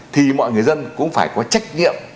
thì mọi người dân cũng phải có trách nhiệm